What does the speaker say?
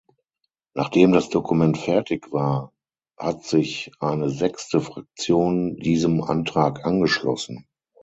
Nachdem das Dokument fertig war, hat sich eine sechste Fraktion diesem Antrag angeschlossen.